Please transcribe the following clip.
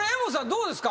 どうですか？